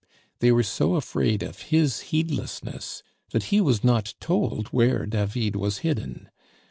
They were so afraid of his heedlessness that he was not told where David was hidden.